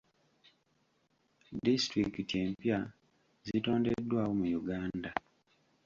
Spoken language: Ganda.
Disitulikiti empya zitondeddwawo mu Uganda.